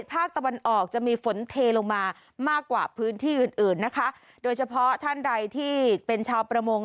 ภาคตะวันออกจะมีฝนเทลงมามากกว่าพื้นที่อื่นอื่นนะคะโดยเฉพาะท่านใดที่เป็นชาวประมง